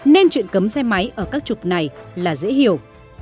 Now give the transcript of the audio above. nên chuyện cấm xe máy ở các trục này là dễ hiểu